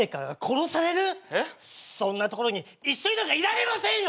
そんな所に一緒になんかいられませんよ！